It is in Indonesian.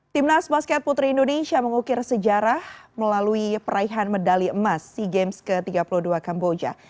timnas basket putri indonesia mengukir sejarah melalui peraihan medali emas sea games ke tiga puluh dua kamboja